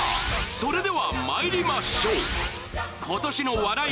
それではまいりましょう今年の笑い